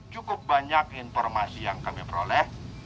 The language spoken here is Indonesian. cukup banyak informasi yang kami peroleh